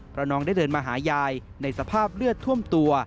เพราะน้องได้เดินมาหายายในสภาพเลือดท่วมตัว